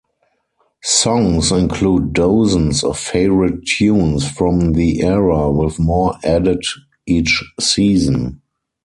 Songs include dozens of favorite tunes from the era with more added each season.